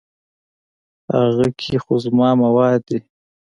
اگه کې خو زما مواد دي.